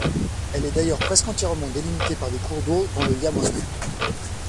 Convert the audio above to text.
Elle est d'ailleurs, presque entièrement délimitée par des cours d'eau dont le Liamone.